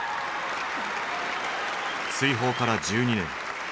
追放から１２年。